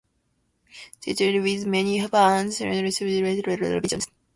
They toured with many bands including: Hatebreed, Kittie, Killswitch Engage, Unearth, and Eighteen Visions.